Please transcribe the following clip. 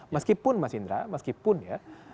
meskipun mas indra meskipun ya